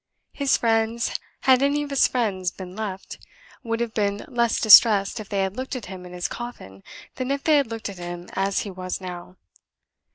His friends had any of his friends been left would have been less distressed if they had looked at him in his coffin than if they had looked at him as he was now.